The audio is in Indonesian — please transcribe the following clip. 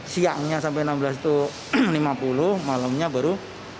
siangnya sampai enam belas itu lima puluh malamnya baru